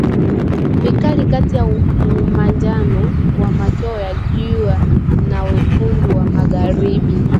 vikali kati ya umanjano wa machweo ya jua na wekundu wa magharibi